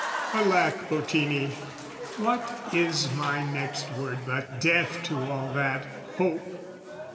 Alack, Bottini, what is my next word But death to all that hope?